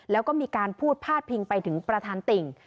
แล้วก็มีการพูดพาดพิงไปถึงประธานติ่ง